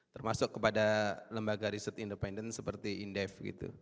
termasuk kepada lembaga riset independen seperti indef gitu